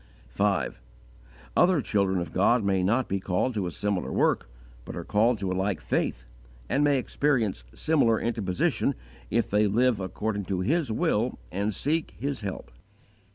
5. Other children of God may not be called to a similar work, but are called to a like faith, and may experience similar interposition if they live according to His will and seek His help.